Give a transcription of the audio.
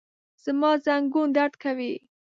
زما زنګون درد کوي